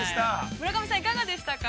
◆村上さん、いかがでしたか。